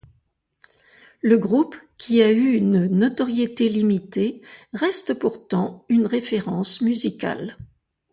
Le groupe qui a eu une notoriété limitée reste pourtant une référence musicale.